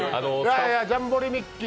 ジャンボリミッキー！